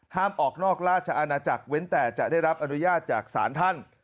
ออกนอกราชอาณาจักรเว้นแต่จะได้รับอนุญาตจากศาลท่าน